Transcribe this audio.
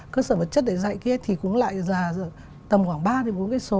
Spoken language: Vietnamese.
cơ sở vật chất để dạy kia thì cũng lại là tầm khoảng ba bốn km